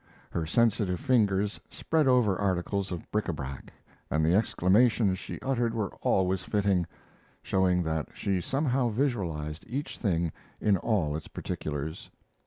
Her sensitive fingers spread over articles of bric a brac, and the exclamations she uttered were always fitting, showing that she somehow visualized each thing in all its particulars.